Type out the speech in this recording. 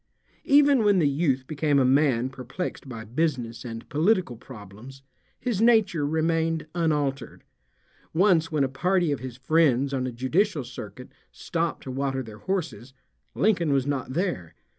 Even when the youth became a man perplexed by business and political problems his nature remained unaltered. Once when a party of his friends on a judicial circuit stopped to water their horses, Lincoln was not there.